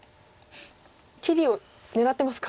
切りを狙ってますか。